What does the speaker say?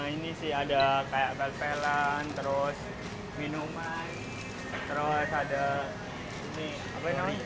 ini sih ada kayak pel pelan terus minuman terus ada ini apa ini nori